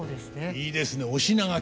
いいですね「お品書き」。